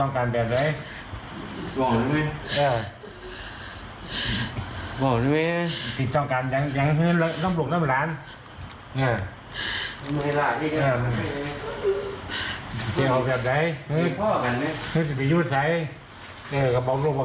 คือตอนนี้อาจจะหาอาจเป็นที่บนเตรียมืองูซิ